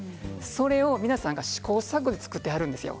それを皆さんが試行錯誤して作っていらっしゃるんです。